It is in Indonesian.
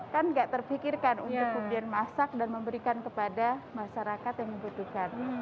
kan nggak terpikirkan untuk kemudian masak dan memberikan kepada masyarakat yang membutuhkan